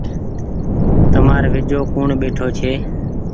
تمآر ويجهو ڪوڻ ٻيٺو ڇي۔